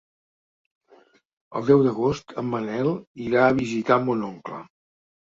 El deu d'agost en Manel irà a visitar mon oncle.